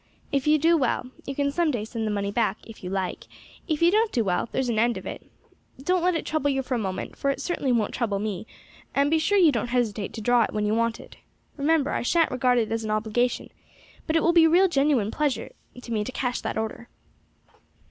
If you do well you can some day send the money back, if you like; if you don't do well, there's an end of it. Don't let it trouble you for a moment, for it certainly won't trouble me, and be sure you don't hesitate to draw it when you want it. Remember, I shan't regard it as an obligation, but it will be a real genuine pleasure to me to cash that order."